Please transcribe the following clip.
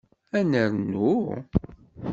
Ad nernu?